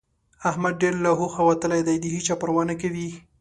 احمد ډېر له هوښه وتلی دی؛ د هيچا پروا نه کوي.